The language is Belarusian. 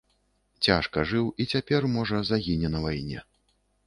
Цяжка жыў і цяпер, можа, загіне на вайне.